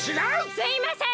すいません！